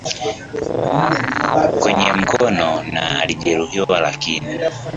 kwenye mkono na alijeruhiwa lakini